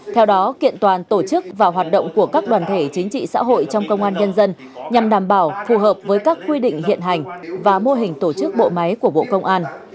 theo đó kiện toàn tổ chức và hoạt động của các đoàn thể chính trị xã hội trong công an nhân dân nhằm đảm bảo phù hợp với các quy định hiện hành và mô hình tổ chức bộ máy của bộ công an